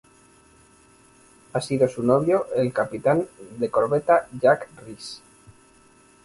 Ha sido su novio, el capitán de corbeta Jack Reese.